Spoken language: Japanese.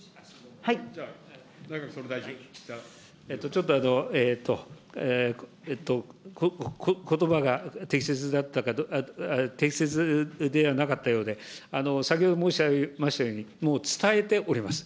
ちょっとことばが適切ではなかったようで、先ほど申し上げましたように、もう伝えております。